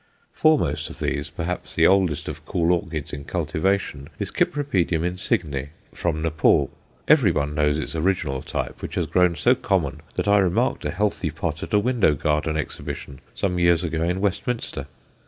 Foremost of these, perhaps the oldest of cool orchids in cultivation, is C. insigne, from Nepal. Everyone knows its original type, which has grown so common that I remarked a healthy pot at a window garden exhibition some years ago in Westminster.